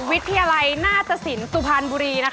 วิทยาลัยหน้าตสินสุพรรณบุรี